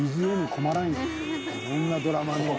こんなドラマの。）